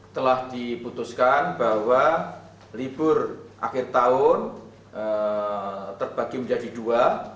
telah diputuskan bahwa libur akhir tahun terbagi menjadi dua